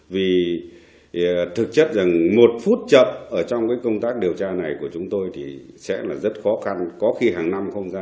vì thực chất rằng một phút chậm ở trong cái công tác điều tra này của chúng tôi thì sẽ là rất khó khăn có khi hàng năm không ra